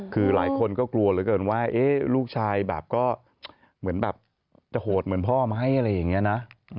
คือหลายคนก็กลัวเหลือเกินว่าลูกชายแบบก็เหมือนแบบจะโหดเหมือนพ่อไหมอะไรอย่างนี้นะ